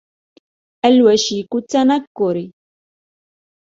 الْوَشِيكُ التَّنَكُّرِ